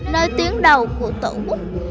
nơi tiếng đầu của tổ quốc